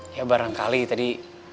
ya barangkali tadi